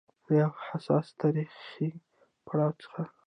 له يو حساس تاریخي پړاو څخه